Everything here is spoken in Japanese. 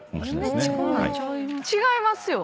違いますよ！